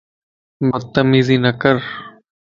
بتميزي نَڪر